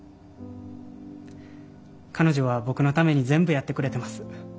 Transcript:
彼女は僕のために全部やってくれてます。